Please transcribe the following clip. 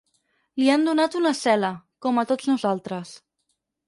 Li han donat una cel·la, com a tots nosaltres.